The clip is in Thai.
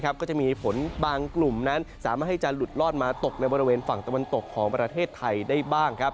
ก็จะมีฝนบางกลุ่มนั้นสามารถให้จะหลุดลอดมาตกในบริเวณฝั่งตะวันตกของประเทศไทยได้บ้าง